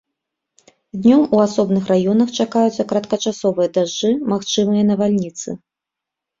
Днём у асобных раёнах чакаюцца кароткачасовыя дажджы, магчымыя навальніцы.